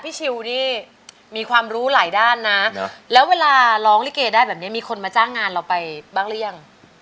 ชิวนี่มีความรู้หลายด้านนะแล้วเวลาร้องลิเกได้แบบนี้มีคนมาจ้างงานเราไปบ้างหรือยัง